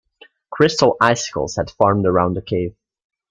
Crystal icicles had formed around the cave.